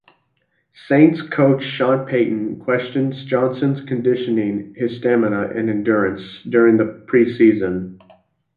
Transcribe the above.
Saints coach, Sean Payton, questioned Johnson's "conditioning, his stamina and endurance" during the preseason.